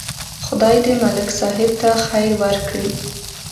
خدای دې ملک صاحب ته خیر ورکړي.